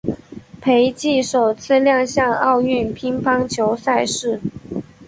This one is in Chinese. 斐济首次亮相奥运乒乓球赛场。